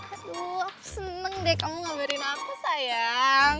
aduh aku seneng deh kamu ngabarin aku sayang